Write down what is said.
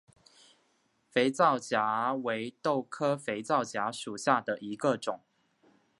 肥皂荚为豆科肥皂荚属下的一个种。